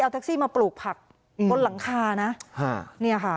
เอาแท็กซี่มาปลูกผักอืมบนหลังคานะฮะเนี้ยค่ะ